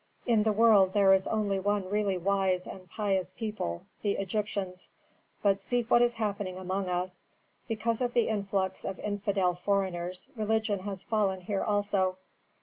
"In the world there is only one really wise and pious people, the Egyptians; but see what is happening among us. Because of the influx of infidel foreigners, religion has fallen here also.